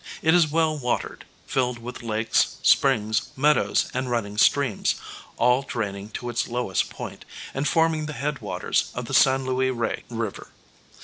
It is well watered, filled with lakes, springs, meadows and running streams, all draining to its lowest point, and forming the head waters of the San Luis Rey River.